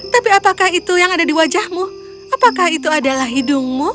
tapi apakah itu yang ada di wajahmu apakah itu adalah hidungmu